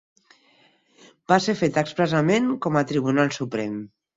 Va ser fet expressament com a tribunal suprem.